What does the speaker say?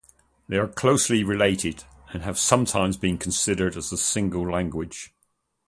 They are closely related and have sometimes been considered as a single language.